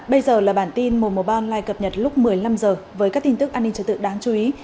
bây giờ là bản tin mùa mùa ban online cập nhật lúc một mươi năm h với các tin tức an ninh trật tự đáng chú ý